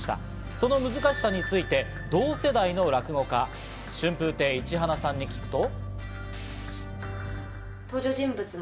その難しさについて、同世代の落語家・春風亭一花さんに聞くと。